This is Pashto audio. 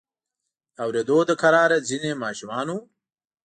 د اوریدو له قراره ځینې ماشومانو.